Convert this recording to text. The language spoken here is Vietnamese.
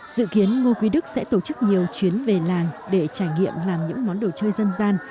dự kiến ngô quý đức sẽ tổ chức nhiều chuyến về làng để trải nghiệm làm những món đồ chơi dân gian